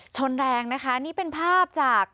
ชนแรงนะคะนี่เป็นภาพจาก